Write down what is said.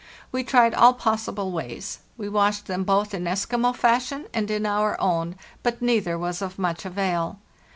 We tried all possible ways; we washed them both in Eskimo fashion and in our own; but neither was of much avail.